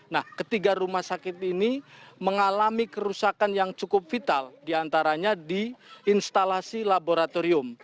nah ketiga rumah sakit ini mengalami kerusakan yang cukup vital diantaranya di instalasi laboratorium